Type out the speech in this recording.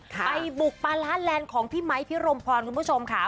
ไปบุกบราลาแลนด์ของพี่มั้ยพี่รมพรคุณผู้ชมข้า